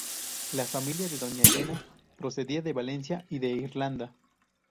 La familia de doña Elena procedía de Valencia y de Irlanda.